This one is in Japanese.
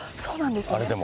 あれでも。